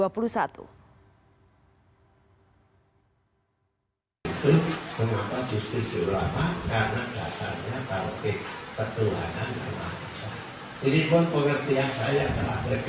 pertuanan dan lancar